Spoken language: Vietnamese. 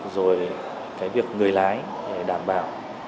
rồi việc người lái đảm bảo